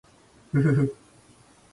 ふふふ